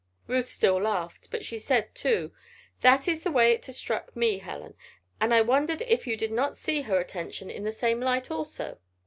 Ruth still laughed. But she said, too: "That is the way it has struck me, Helen. And I wondered if you did not see her attention in the same light, also."